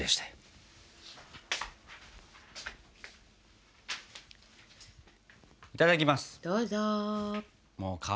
いただきます！